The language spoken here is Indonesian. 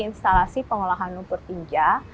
instalasi pengolahan lumpur tinja